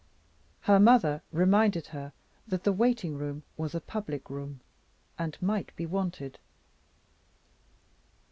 Her mother reminded her that the waiting room was a public room, and might be wanted.